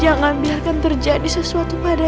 jangan biarkan terjadi sesuatu pada